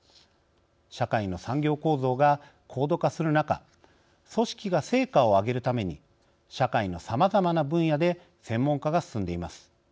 社会の産業構造が高度化する中組織が成果を挙げるために社会のさまざまな分野で専門化が進んでいます。